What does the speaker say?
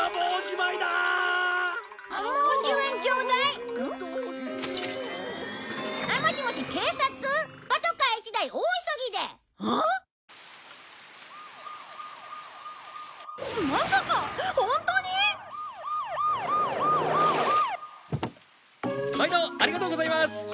まいどありがとうございます！